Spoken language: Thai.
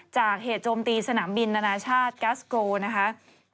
จากเหตุโจมตีสนามบินนานาชาติแก๊สโกนะครับ